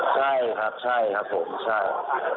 ใช่ครับใช่ครับผมใช่